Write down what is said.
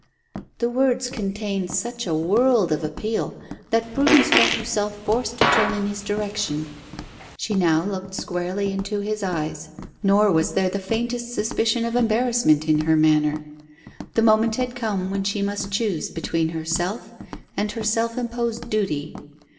The words contained such a world of appeal that Prudence felt herself forced to turn in his direction. She now looked squarely into his eyes, nor was there the faintest suspicion of embarrassment in her manner. The moment had come when she must choose between herself and her self imposed duty.